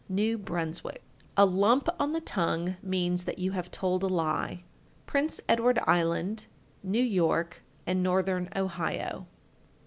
New Brunswick. 1375. A lump on the tongue means that you have told a lie. _Prince Edward Island, New York, and Northern Ohio.